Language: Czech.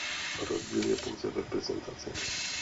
Rozdíl je pouze v prezentaci.